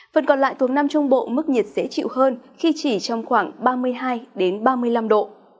phần còn lại tuần năm trung bộ mức nhiệt sẽ chịu hơn khi chỉ trong khoảng ba mươi hai đến ba mươi năm độ